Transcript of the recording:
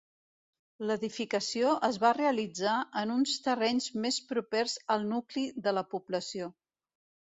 L'edificació es va realitzar en uns terrenys més propers al nucli de la població.